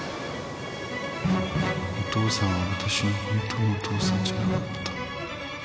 「お父さんは私の本当のお父さんじゃなかった」